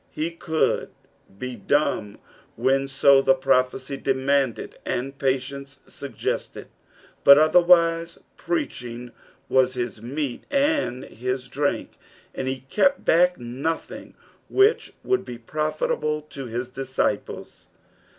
He could be dumb when so the prophecy demanded and pslience EUg gested, but otherwise, preaching was his meat and his drink, and he kept back nothing; which would be profitable to his disciples.